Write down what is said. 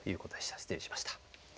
失礼しました。